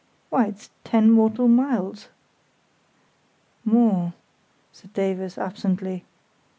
Why, it's ten mortal miles." "More," said Davies, absently.